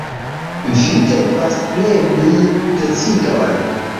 Vi devas preni decidon.